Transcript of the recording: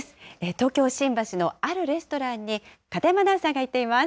東京・新橋のあるレストランに、片山アナウンサーが行っています。